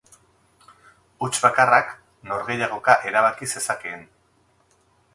Huts bakarrak norgehiagoka erabaki zezakeen.